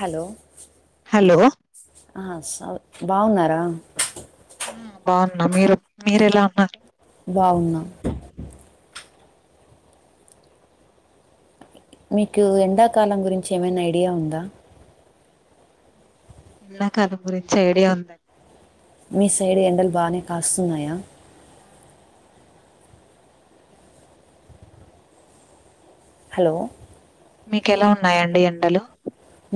Hello hello ఆ సౌ బాగున్నారా ఆ బాగున్నా మీరు మీర ఎలా ఉన్నారు బావున్నా మీకు ఎండాకాలం గురించి ఏమైనా ఐడియా ఉందా ఎండాకాలం గురించి ఐడియా ఉంది అండి మీ సైడ్ ఎండలు బానే కాస్తున్నాయా హలో మీకు ఎలా ఉన్నాయండి ఎండలు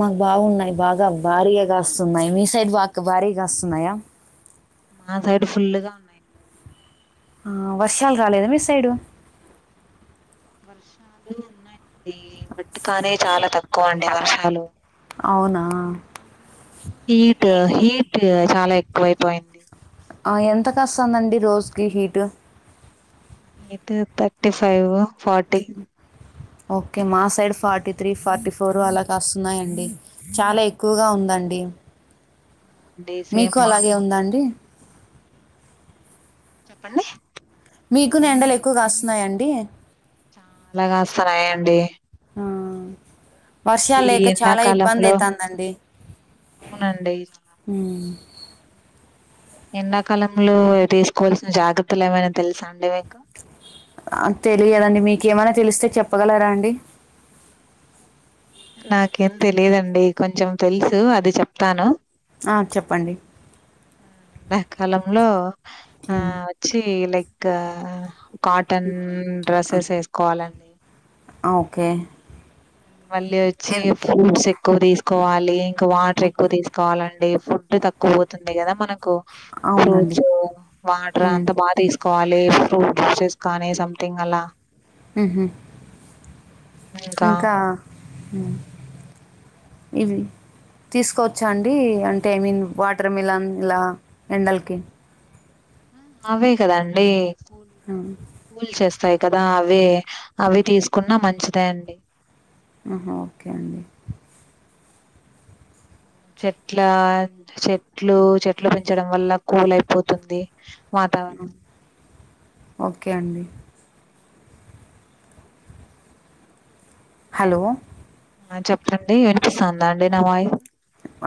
మాకు బాగున్నాయి బాగా భారీగా కాస్తున్నాయి మీ సైడ్ భాక్ భారీగా కాస్తున్నాయా మా సైడ్ ఫుల్లుగా ఉన్నాయి ఆ వర్షాలు రాలేదా మీ సైడు వర్షాలు ఉన్నాయండి [unintelligible] కాని చాలా తక్కువ అండి వర్షాలు అవునా హీట్ హీట్ చాలా ఎక్కువ అయిపోయింది ఆ ఎంత కాస్తదండి రోజుకి హీటు ఇటు తర్టీ ఫైవ్ ఫార్టీ ఓకే మా side forty three, forty four అలాగా కాస్తున్నాయండీ చాలా ఎక్కువగా ఉందండి. అవునండి సేమ్ మీకు మా అలాగే ఉందా అండి చెప్పండి మీకున ఎండలు ఎక్కువ కాస్తున్నాయా అండి. చాలా కాస్తన్నాయండీ ఆ, వర్షాలు లేక చాలా ఇబ్బంది ఎండాకాలంలో అయితాందండి అవునండి హ్మ్ ఎండాకాలంలో తీసుకోవాల్సిన జాగ్రత్తలు ఏవైనా తెలుసా అండి మీ ఆ తెలియదండి మీకేమైనా తెలిస్తే చెప్పగలరా అండి. నాకేం తెలిదండి కొంచెం తెలుసు అది చెప్తాను. ఆ చెప్పండి హలో ఎండాకాలంలో ఆ ఉమ్, వచ్చి లైక్ కా కాటన్ డ్రెస్సెస్ ఏసుకోవాలండి ఆ, ఓకే అను మళ్ళీ వచ్చి ఎన్- ఫ్రూట్స్ ఎక్కువ తీసుకోవాలి ఇంకా వాటర్ ఎక్కువ ఓకే. తీసుకోవాలండి ఫుడ్ తక్కువ పోతుంది కదా. కు అవునండి ఫ్రూట్స్ వాటర్ ఉమ్, అంతా బాగా తీసు కోవాలి ఫ్రూట్ జ్యూసెస్ కానీ సంథింగ్ అలా హు ఉమ్ ఇంకా మ్ ఇవి తీసుకోవచ్చా అండి అంటే ఐ మీన్ వాటర్ మిలన్ ఇలా ఎండలకి ఆ అవే కదాండి ఉమ్, చేస్ ఫ్రై కదా అవి అవి తీసుకున్నా మంచిదే అండి అహా ఓకే అండి చెట్ల చెట్లు చెట్లు పెంచడం వల్ల కూల్ అయిపోతుంది వాతావరణం ఓకే అండి హలో ఆ చెప్పండి వినిపిస్తుందా అండి నా వాయ్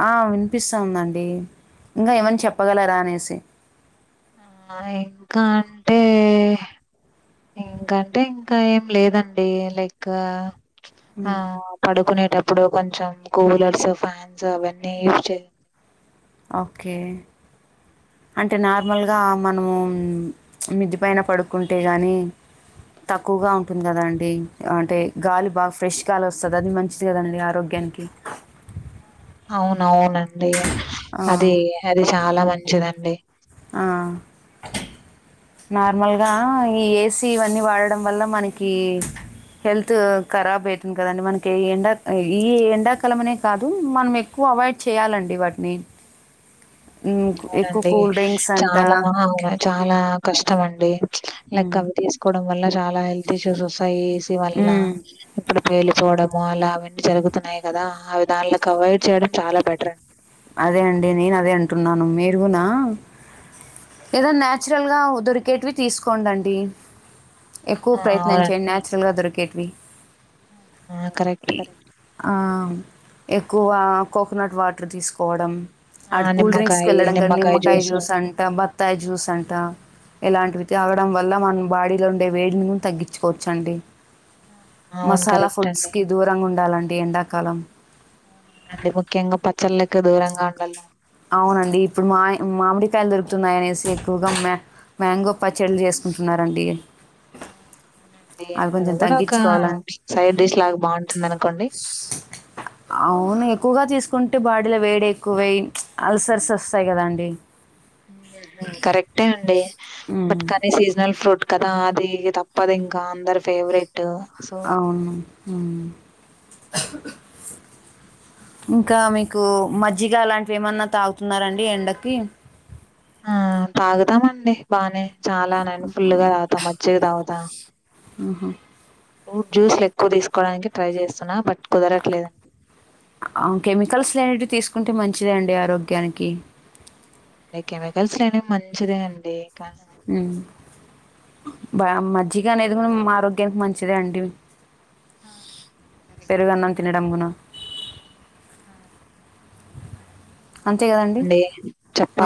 ఆ వినిపిస్తా ఉందండి ఇంగ ఏమన చెప్పగలరా అనేసి ఆ ఇంకా అంటే ఇంకంటే ఇంకా ఏం లేదండి లైకా ఆ ఉమ్, పడుకునే టప్పుడు కొంచెం కూలర్స్, ఫ్యాన్స్, అవన్నీ యూజ్ చేయాలి. ఓకే అంటే నార్మల్గా మనమూ మిద్ది పైన పడుకుంటే గానీ తక్కువగా ఉంటున్ గదా అండి అంటే గాలి బాగా ఫ్రెష్ గాలి ఒస్తది అది మంచిది కదండడి ఆరోగ్యానికి అవునవునె డి ఆ, అది అది చాలా మంచిదండి ఆ. నార్మల్గా ఈ ఏసీ ఇవన్నీ వాడడం వల్ల మనకీ హెల్త్ ఖరాబ్ అయితుంది కదండి మనకి ఈ ఎండ ఈ ఎండాకాలం అనే కాదు మనం ఎక్కువ అవాయిడ్ చేయాలన్ డి వాటిని ఎక్కువ అవునండి కూల్ డ్రింక్స్ అంట చాలా అవును చాలా కష్టం అండి లైక్ ఉమ్, అవి తీసుకోవడం వల్ల చాల లా హెల్త్ ఇష్యూస్ ఒస్ ఆ ఏసి వల్ల ఉమ్. ఇప్పుడు పేలిపోడం మాల్ల అవన్నీ జరుగుతున్నాయి కదా అవి దాల్లక్ అవయిడ్ చేయడం చాలా బెటర్ అండి అదే అండి నేను అదే అంటున్నాను మీరుగునా ఎక్కువ ఆ! ప్రయత్నం అవునండి. చేయండి నేచురల్గా దొరికే కెట్వి ఆ! కరెక్ట్. ఇ కరెక్ట్. ఆ ఎక్కువా కోకనట్ వాటరు తీసుక్ కోడం ఆ! అట్ కూల్ డ్రింక్స్ నిమ్మకాయి, కెళ్ళడం కానీ నిమ్మకాయ జ్యూసు. జ్యూస్ అంట, బత్తాయి జ్యూస్ అంట, ఇలాంటివి తాగడం వ. అల్ల మన బాడీలో ఉండే వేడిని గున్ తగ్గించుకోవచ్చు అండి అవును. మసాలా కరెక్ట్ ఫుడ్స్ అండి. కి దూరంగా ఉండాలన్ తి ఎండాకాలం అవునవునండి ముఖ్యంగా పచ్చళ్ళకి దూరంగా ఉండాలా అవునండి ఇప్పుడు మా మామిడికాయలు దొరుకుతున్నాయి అనేసి ఎక్కువగా మ మ్యాంగో పచ్చడిలు చేసుకుంటున్నారండి ఆ అవునండి అవి అది కొంచెం గూడా ఒక తగ్గించుకోవాలండి సైడ్ డిష్ లాగా బాగుంటుంది అనుకోండి కుంటె బాడిల వేడి ఎక్కువేయిన్ అల్సర్స్ ఒస్తాయి గదా అండి కరెక్టే అండి ఉమ్, బట్కానే సిజనల్ ఫ్రూట్ కదా అది తప్పది ఇంకా అందరు ఫేవరెట్ సో అవును ఇంకా మీకు మజ్జిగ అలాంటివి ఏమన్నా తాగుతున్నారండి ఎండకి ఆ తాగుదాం అండి బానే చాలానే ఫుల్ గా తాగుతా మజిగా తాగుతా ఆహ ఫ్రూట్ జ్యూస్లు ఎక్కువ తీసుకోవడానికి ట్రై చేస్తున్నా బట్ కుదరట్లేదండి. కెమికల్స్ నేవి తీసుకుంటే మంచిద అండి ఆరోగ్యానికి లె కెమికల్స్ లేనివి మంచిదే అండి కానీ బా మజ్జిగ అనేది కూడా మ ఆరోగ్యానికి మంచిదే అండి ఆ! కరెక్ట్ పెరుగు అండి. అన్నం తినడం గున అంతే కరెక్ట్ కదండి అండి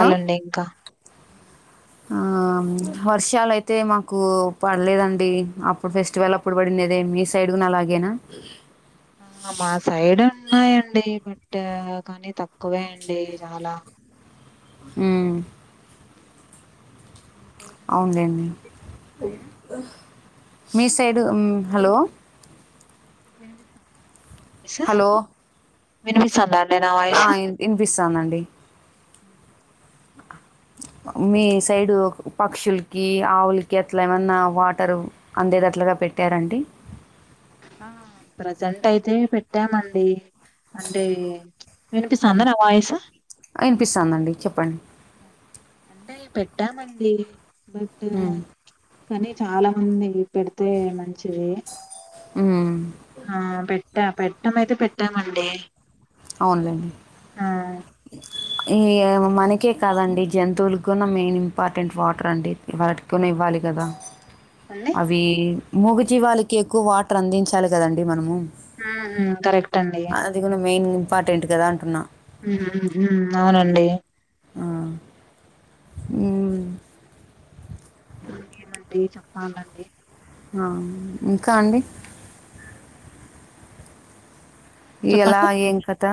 ఆ? ఇంకా ఆ వర్షాలు అయితే మాకు పడలేదండి అప్పుడు ఫెస్టివల్ అప్పుడు పడిందిదే మీ సైడ్ కూడా అలాగేనా. ఆ మా సైడ్ ఉన్నాయండి బట్ కానీ తక్కువే అండి చాలా అ మీ సైడ్ అండి? అవును మీ లేండి ఉన్నాయా? మీ సైడు హలో వినిపిత్తంద ఇస్రఫ్ హలో వినిపిస్తుందా అండి నా ఆ ఇ ఇన్పిస్ స్తానండి హ మీ సైడు పక్షులకి ఆవులకి అట్లా ఏమన్నా వాటర్ అందేదట్లాగా పెట్టారండి ఆ ప్రజెంట్ అయితే పెట్టామండి అంటే వినిపిస్తుదా నా వాయిసు వినిపిస్తుందిండి చెప్పండి అంటే పెట్టామండి బట్ మ్, కాని చాలా మంది పెడితే మంచిది ఉమ్ ఆ పెట్ట పెట్టం అయితే పెట్టామండి అవునులేండి ఆ ఈ మనకే కాదండి జంతువుల కూడా మెయిన్ ఇంపార్టెంట్ వాటర్ అండి వాటి కూడా ఇవ్వాలి కదా అండి అవి మూగ జివాళ్ళకి ఎక్కువ వాటర్ అందించాలి కదండి మనము హ్మ్ కరెక్ట్ అండి అది కూడా మెయిన్ ఇంపార్టెంట్ కదా అంటున్నా హ్మ్ హు అవునండి ఆ హూ ఏమండి చెప్పాలండి ఆ ఇంకా అండి ఎలా చెప్పండి ఏంగకత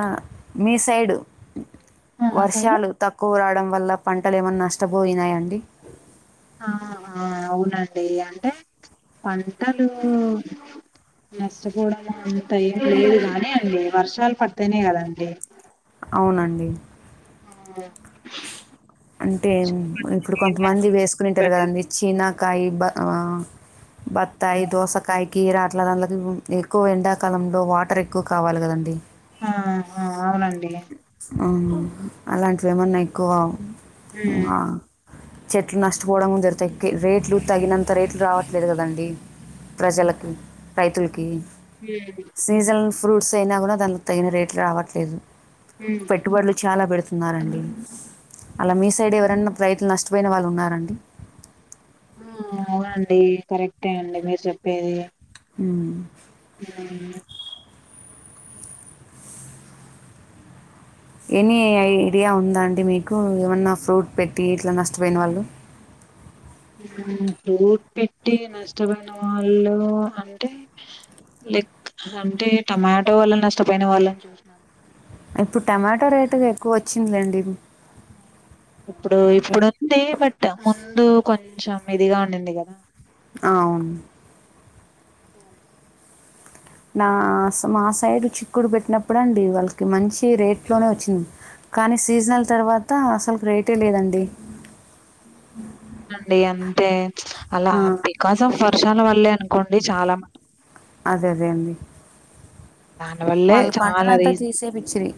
మీ సైడు ఆ మా సైడ్ వర్షాలు తక్కువ రాడం వల్ల పంటలు ఏమైన్నా నష్టపోయినాయాడి ఆ అవునండి అంటే పంటలు నష్టపోవడము పైం లేదు గానీ అండి వర్షాలు పడుతేనే కదండి అవునండి ఆ అంటే ఇప్పుడు కొంతమంది వేసుకునింటారు కదండి చినా కాయి బ బత్తాయి దోసకాయ్ కీర అట్లా దాంకి ఎక్కువ ఎండాకాలంలో వాటర్ ఎక్కువ కావాలి కదండి ఆహా అవునండి అవును అలాంటివి ఏమన్నా ఎక్కువ ఉమ్ ఆ చెట్లు నష్టపోవడంము దొరుగుతాయి రేట్లు తగినంత రేట్లు రావట్లేదు కదండి ప్రజలకి రైతులకి సీజన్ ఫ్రూట్ స్ అయినా కూడా దాకు తగిన రేట్లు రావట్లేదు ఉమ్ పెట్టుబడులు చాలా పెడత ఉన్నారండి అలా మీ సైడ్ ఎవరనా రైతులు నష్టపోయిన వాళ్ళు ఉన్నారండి అవునండి కరెక్టే అండి మీరు చెప్పేది ఉ ఉ ఎనీ ఐడియా ఉందా అండి మీకు ఏమన్నా ఫ్రూట్ పెట్టి ఇట్లా నష్టపోయిన వాళ్ళు ఫ్రూట్ పెట్టి నష్టపోయిన వాళ్ళు అంటే లైక్ అంటే టమాటో వాల్ల నష్టపోయిన వాళ్ళు ఇప్పుడు టమాటో రేటుగా ఎక్కువ వచ్చిందిండి ఇప్పుడు ఇప్పుడుంది బట్ ముందు కొంచెం మీదిగా ఉండింది కదా అ అవును సేవనా నా మా సైడు చిక్కుడు పెట్టినప్పుడు అండి వాళ్ళకి మంచి రేట్లోనే వచ్చింది కానీ సీజనల్ తర్వాత అసలుకి రేటే లేదండి అండి అంటే అలా ఆ, బికాస్ అఫ్ వర్షాల వల్లే అనుకోండి చాలా మం అదే అదే అండి దానివల్లే వాళ్ళ చాలా పంటనంతా రీజ్ తీసేపిచ్చిరి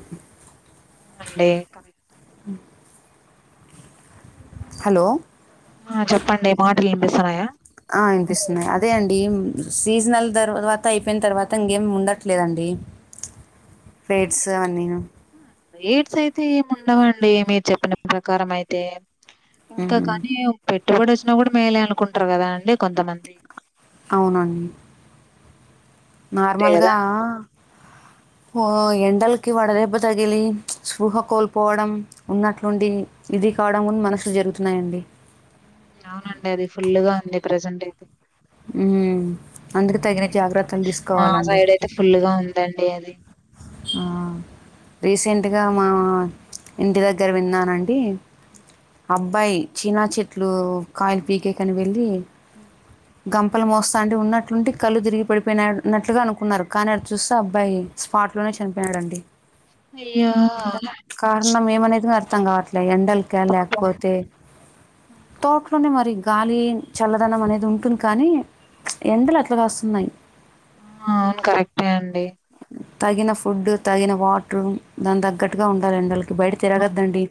అవునండి కరెక్ట్ అ హలో ఆ చెప్పండి మాటలు వినిపిస్తన్నాయా ఆ, వినిపిస్తున్నాయి అదే అండి సీజనల్ తర్వాత అయిపోయిన తర్వాత ఇంకేమి ఉండట్లేదండి ఫేడ్స్ అవి అన్నీను రేట్స్ అయితే ఏమి ఉండవండి మీరు చెప్పిన ప్రకారం అయితే ఇంకా ఉమ్. కానీ పెట్ పెట్టుబడి వచ్చినా కూడా మేలేే అనుకుంటారు కదా అండి కొంతమంది అవునం అంతే నార్మల్గా కదా ఓ ఎండలకి వడదేబ్బ తగిలి స్పృహ కోల్పోవడం ఉన్నట్లుండి ఇది కావడం కూడా మనసు జరుగుతున్నాయండి హ్మ్ అవునండి అది ఫుల్గా ఉంది ప్రజెంట్ అయితే హ్మ్ అందుకి తగిన జాగ్రత్తలు మా తీసుకోవాలండి సైడ్ అయితే ఫుల్ గా ఉందండి అది ఆ రీసెంట్గా మా ఇంటి దగ్గర విన్నానండి అబ్బాయి చీనా చెట్లు కాయలు పీకేకని వెళ్ళి హ్మ్ గంపలు మోస్తా అంటే ఉన్నట్లుంటి కళ్ళు తిరిగి పడిపోయినన్నట్లుగా అనుకున్నారు కానీ అటు చూస్తే అబ్బాయి స్పాట్ లోనే చనిపోయాడండి అయ్యో కారనం మేమానేది అర్ అర్థం కాట్లే ఎండల్ కా పాపం లేకపోతే ఇంట్లోనే మరి గాలి చల్లదనం అనేది ఉంటుంది కానీ ఎండలు అట్లాగాస్తున్నాయి ఆ అవును కరెక్టే అండి తగిన ఫుడ్ తగిన వాటరు దాని తగ్గట్టుగా ఉండాలండి ఎండలకి బయట తిరగద్దండి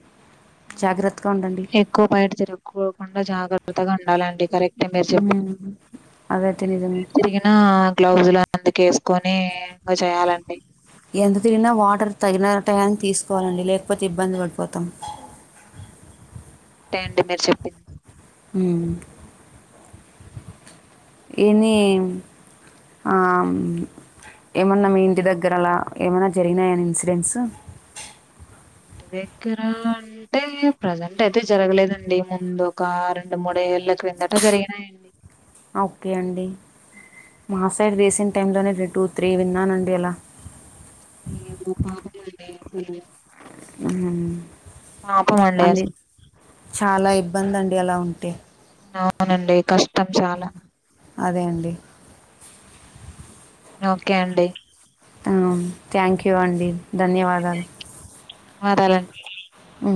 అవునే జాగ్రత్తగా ఉండండి ఎక్కువ బయట తిరకోకుండా జాగ్రత్తగా ఉండాలండి కరెక్ట్ మీమీర్ చెప్పు ఉమ్, అదైతే నిజమే తిరిగినా గ్లోసులు అందుకే వేస్ కొని ఇంగా చేయాలండి ఎంత తిరిగినా వాటర్ తగినట్టు గానే తీసుకోవాలండి లేకపోతే ఇబ్బంది పడిపోతాం టె అండి మీరు చెప్పింది హ్మ్ ఎన్నీ ఆ ఏమన్నా మీ ఇంటి దగ్గర అలా ఏమైనా జరిగినాయని ఇన్సిడెన్స్ ఇంటి దగ్గర అంటే ప్రజెంట్ అయితే జరగలేదండి ముందు ఒక రెండు మూడేళ్ళ ఓకే అండి మాస టర్ రీసెంట్ టైంలోనే రెం టూ త్రీ విన్నానండి అలా అయ్యో పాపం [unintelligible] ఊ పాపం అండి అంది అసలు చాలా ఇబ్బంది అండి ఎలా ఉంటే అవునండి కష్టం ఉ చాలా అదే అండి ఓకే అండి థ్యాంక్ యూ అండి ధన్యవాదాలు ధన్యవాదాలండి ఊ